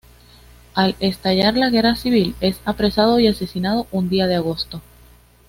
Al estallar la guerra civil, es apresado y asesinado un día de agosto.